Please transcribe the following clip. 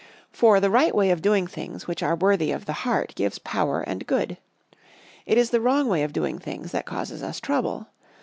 For the right way of doing things which are worthy of the heart, gives power and good. It is the wrong way of doing things that causes us trouble.